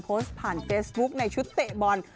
โพสต์ผ่านเฟซบุ๊คในชุดเตะบอล